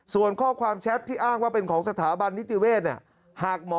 ส่วนข้อความแชทที่อ้างว่าเป็นของสถาบันนิติเวศเนี่ยหากหมอ